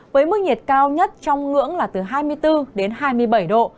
với mức nhiệt cao nhất trong ngưỡng là từ hai mươi bốn đến hai mươi bảy độ